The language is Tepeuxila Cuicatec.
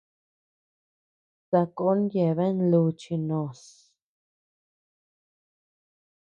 Sakon yeabean luuchi noos.